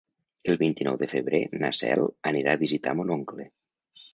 El vint-i-nou de febrer na Cel anirà a visitar mon oncle.